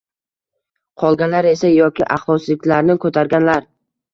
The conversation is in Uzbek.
Qolganlar esa — yoki axloqsizliklarni «ko‘targan»lar